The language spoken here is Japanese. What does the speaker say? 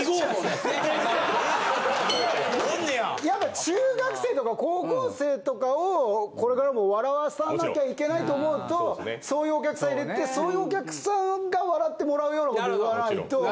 やっぱり中学生とか高校生とかをこれからも笑わさなきゃいけないと思うとそういうお客さんを入れてそういうお客さんが笑ってもらうようなこと言わないと。